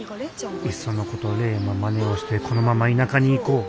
いっそのこと玲のまねをしてこのまま田舎に行こう。